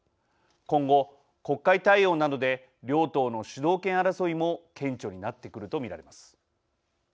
今後、国会対応などで両党の主導権争いも顕著になってくると見られます。